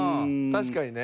確かにね。